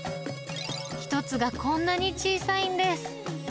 １つがこんなに小さいんです。